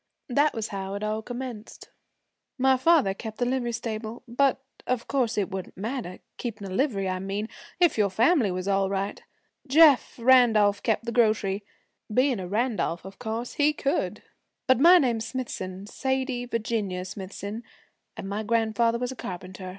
'That was how it all commenced. My father kept the livery stable. But of course it wouldn't matter keepin' a livery, I mean if your family was all right. Jeff Randolph kept the grocery. Being a Randolph, of course he could. But my name's Smithson Sadie Virginia Smithson and my grandfather was a carpenter.